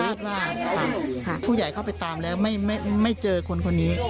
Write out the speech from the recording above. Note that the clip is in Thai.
ว่าผู้ใหญ่เข้าไปตามแล้วไม่เจอคนคนนี้